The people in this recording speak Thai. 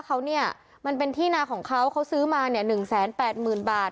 เขามันเป็นที่นาของเขาเขาซื้อมา๑๘๐๐๐๐บาท